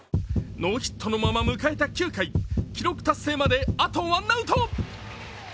ノーヒットのまま迎えた９回、記録達成まで、あとワンアウト。